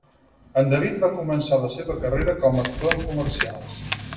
En David va començar la seva carrera com a actor en comercials.